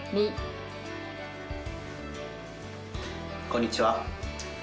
こんにちは。